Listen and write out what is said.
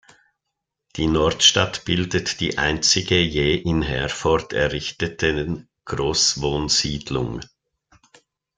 Die Nordstadt bildet die einzige je in Herford errichteten Großwohnsiedlung.